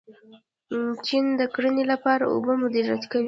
چین د کرنې لپاره اوبه مدیریت کوي.